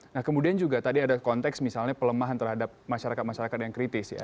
nah kemudian juga tadi ada konteks misalnya pelemahan terhadap masyarakat masyarakat yang kritis ya